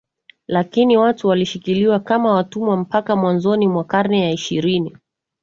Lakini watu walishikiliwa kama watumwa mpaka mwanzoni mwa karne ya ishirini